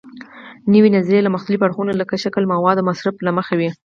نوې نظریې له مختلفو اړخونو لکه شکل، موادو او مصرف له مخې وي.